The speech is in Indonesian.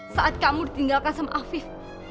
saat kamu ditinggalkan sama afif